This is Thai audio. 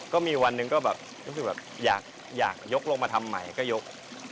ก็มีวันหนึ่งก็แบบรู้สึกแบบอยากยกลงมาทำใหม่ก็ยก